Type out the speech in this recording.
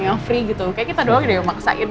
yang free gitu kayak kita doang deh maksain